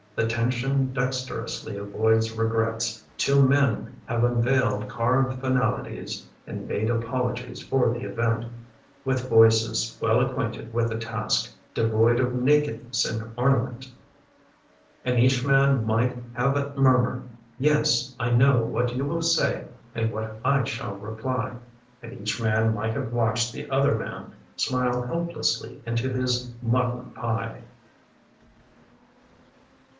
The tension dexterously avoids regrets. Two men have unveiled carved finalities And made apologies for the event. With voices well acquainted with a task Devoid of nakedness and ornament. And each man might have murmured, " Yes, I know What you will say and what I shall reply/' And each man might have watched the other man Smile helplessly into his mutton pie.